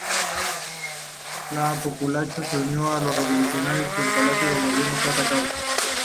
El populacho se unió a los revolucionarios y el Palacio de Gobierno fue atacado.